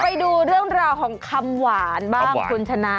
ไปดูเรื่องราวของคำหวานบ้างคุณชนะ